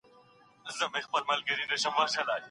هغې ته چا سوغاتونه نه دي وروړي.